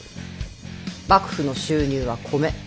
幕府の収入は米。